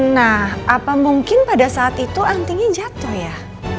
nah apa mungkin pada saat itu artinya jatuh ya